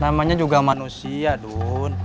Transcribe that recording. namanya juga manusia dun